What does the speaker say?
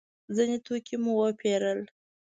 ځینې توکي مو وپېرل.